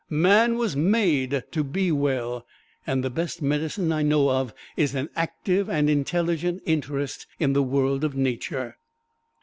Man was made to be well, and the best medicine I know of is an active and intelligent interest in the world of Nature."